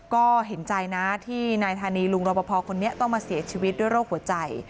ก็เห็นใจนะที่นายธานีลุงรบพอคนนี้ต้องมาเสียชีวิตด้วยโรคหัวใจ